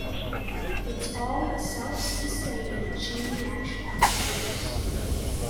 It's all a self-sustaining chain-reaction of errors!